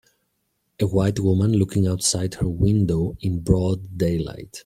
A white woman looking outside her window in broad daylight.